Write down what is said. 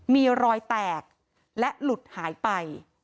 มีรอยแตกและหลุดหายไป